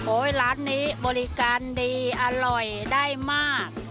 ร้านนี้บริการดีอร่อยได้มาก